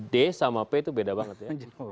d sama p itu beda banget ya